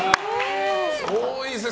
多いですね。